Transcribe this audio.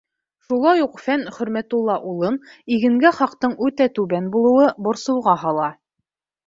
Шулай уҡ Фән Хөрмәтулла улын игенгә хаҡтың үтә түбән булыуы борсоуға һала.